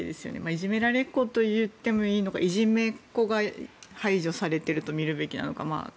いじめられっ子と言ってもいいのかいじめっ子が排除されていると見るべきなのか。